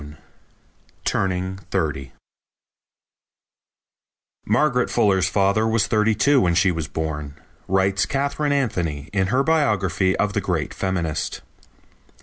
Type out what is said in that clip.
_) Turning Thirty "Margaret Fuller's father was thirty two when she was born," writes Katharine Anthony in her biography of the great feminist.